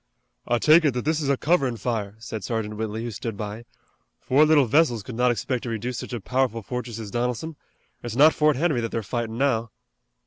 "I take it that this is a coverin' fire," said Sergeant Whitley, who stood by. "Four little vessels could not expect to reduce such a powerful fortress as Donelson. It's not Fort Henry that they're fightin' now."